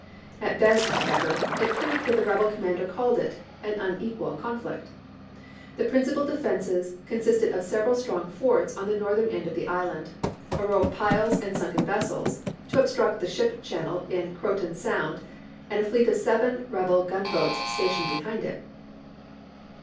At best, however, it proved what the rebel com mander called it, an unequal conflict. The principal defenses consisted of several strong forts on the northern end of the island ; a row of piles and sunken vessels to obstruct the ship channel in Croatan Sound ; and a fleet of seven rebel gunboats stationed behind it.